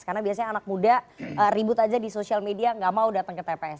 karena biasanya anak muda ribut aja di sosial media gak mau datang ke tps